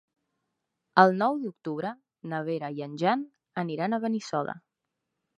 El nou d'octubre na Vera i en Jan aniran a Benissoda.